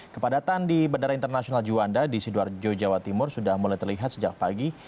kepadatan di bandara internasional juanda di sidoarjo jawa timur sudah mulai terlihat sejak pagi